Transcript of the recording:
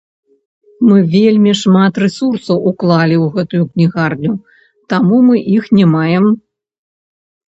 Мы вельмі шмат рэсурсаў уклалі ў гэтую кнігарню, таму мы іх не маем.